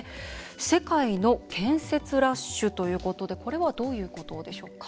世界の建設ラッシュということでこれはどういうことでしょうか？